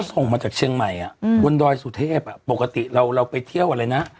ก็ส่งมาจากเชียงใหม่อ่ะอืมวันดอยสุเทพฯอ่ะปกติเราเราไปเที่ยวอะไรนะ